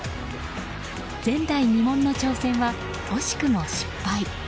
前代未聞の挑戦は惜しくも失敗。